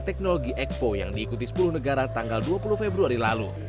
teknologi ekpo yang diikuti sepuluh negara tanggal dua puluh februari lalu